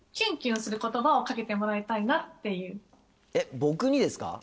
僕にですか？